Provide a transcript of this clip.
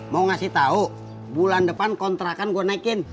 mau ngasih tahu bulan depan kontrakan gue naikin